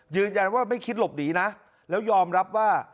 ยืนยันว่าไม่คิดหลบหนีนะแล้วยอมรับว่า